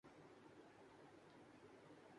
ہم ابھی تک 'ہندو‘ اور 'بھارتی‘ کو مترادف سمجھتے ہیں۔